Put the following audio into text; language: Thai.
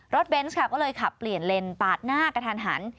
เบนส์ค่ะก็เลยขับเปลี่ยนเลนปาดหน้ากระทันหัน